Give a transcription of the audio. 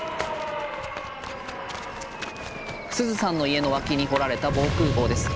すずさんの家の脇に掘られた防空壕です。